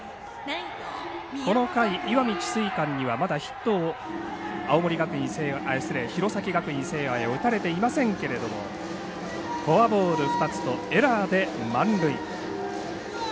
この回、石見智翠館にはまだヒットを弘前学院聖愛は打たれていませんけどもフォアボール２つとエラーで満塁。